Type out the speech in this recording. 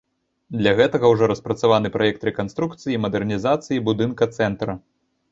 Для гэтага ўжо распрацаваны праект рэканструкцыі і мадэрнізацыі будынка цэнтра.